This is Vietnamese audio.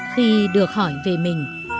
khi được hỏi về mình